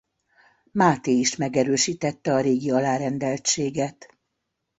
Máté is megerősítette a régi alárendeltséget.